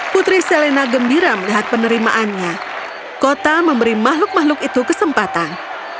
putri selena gembira melihat penerimaannya kota memberi makhluk makhluk itu kesempatan